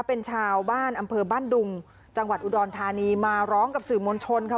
เป็นชาวบ้านอำเภอบ้านดุงจังหวัดอุดรธานีมาร้องกับสื่อมวลชนค่ะ